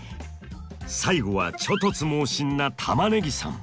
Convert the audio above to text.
最後は猪突猛進なたまねぎさん。